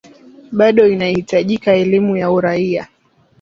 bado inahitajika elimu ya uraia